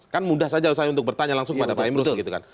kan mudah saja saya untuk bertanya langsung kepada pak emrus gitu kan